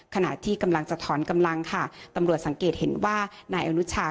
ขณะที่กำลังจะถอนกำลังค่ะตำรวจสังเกตเห็นว่านายอนุชา